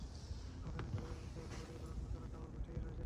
ওখানে পরিবারের মৃত্যু হলে বাড়িওয়ালা রান্না করা খাবার পাঠিয়ে সাহায্য করেন।